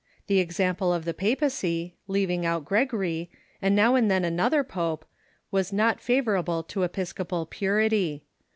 The example of the papacy, leaving out Gregory, and now and then another pope, was not favor able to episcopal purity.